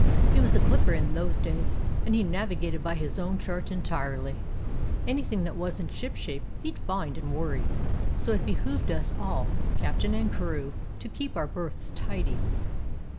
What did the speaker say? He was a clip per in those days, and he navigated by his own chart entirely. Anything that was n't ship shape he 'd find and worry ; so it behooved us all, captain and crew, to keep our berths tidy.